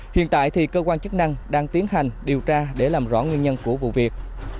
hiện tại thì cơ quan chức năng đang tiến hành điều tra để làm rõ nguyên nhân của vụ việc